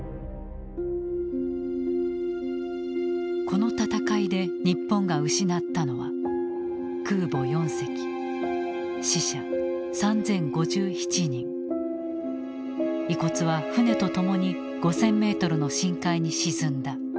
この戦いで日本が失ったのは遺骨は船と共に５，０００メートルの深海に沈んだ。